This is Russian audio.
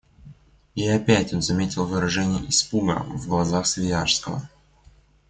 И опять он заметил выражение испуга в глазах Свияжского.